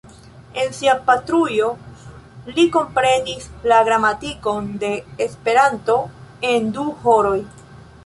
En sia patrujo li komprenis la gramatikon de Esperanto en du horoj.